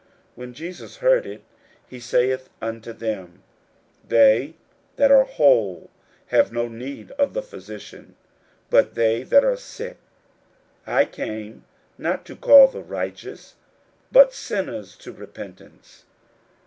41:002:017 When Jesus heard it, he saith unto them, They that are whole have no need of the physician, but they that are sick: I came not to call the righteous, but sinners to repentance.